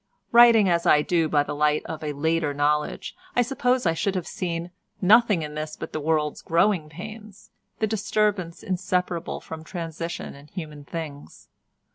Writing as I do by the light of a later knowledge, I suppose I should have seen nothing in this but the world's growing pains, the disturbance inseparable from transition in human things.